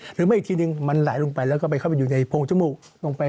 หรือไม่อีกทีหนึ่งมันไหลลงไปแล้วก็ไปเข้าไปอยู่ในโพงจมูกลงไป